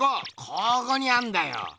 ここにあんだよ。